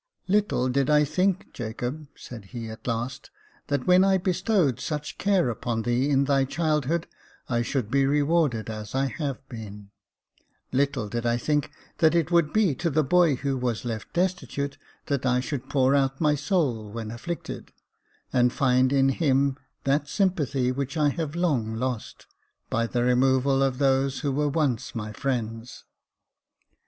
" Little did I think, Jacob," said he, at last, " that when I bestowed such care upon thee in thy childhood I should be rewarded as I have been ! Little did I think that it would be to the boy who was left destitute that I should pour out my soul when afflicted, and find in him that sympathy which I have long lost, by the removal of those who were once my friends